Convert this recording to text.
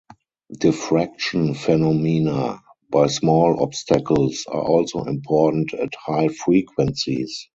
Diffraction phenomena by small obstacles are also important at high frequencies.